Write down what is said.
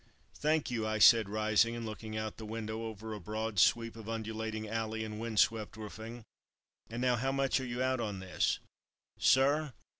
"Thank you," I said, rising and looking out the window over a broad sweep of undulating alley and wind swept roofing, "and now, how much are you out on this?" "Sir!"